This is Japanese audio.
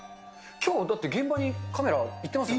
きょう、だって、現場にカメラ行ってますよね。